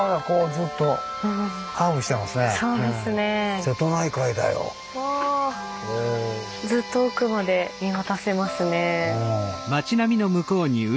ずっと奥まで見渡せますね。